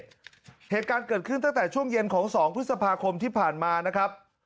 เหตุการณ์เกิดขึ้นตั้งแต่ช่วงเย็นของ๒พฤษภาคมที่ผ่านมานะครับ